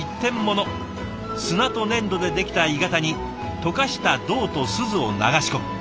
砂と粘土でできた鋳型に溶かした銅とすずを流し込む。